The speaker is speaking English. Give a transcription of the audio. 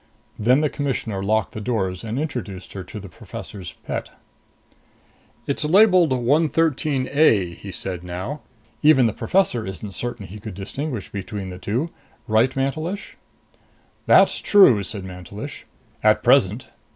Then the Commissioner locked the doors and introduced her to the professor's pet. "It's labelled 113 A," he said now. "Even the professor isn't certain he could distinguish between the two. Right, Mantelish?" "That is true," said Mantelish, "at present."